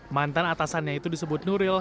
mantan atasannya itu disebut nuril